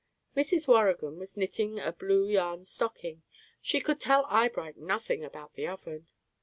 Mrs. Waurigan was knitting a blue yarn stocking. She could tell Eyebright nothing about the Oven.